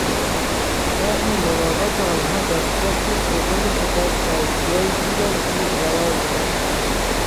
شرح ملاقات آنها در فصل سوم کتاب در جایی دور از دید قرار داشت.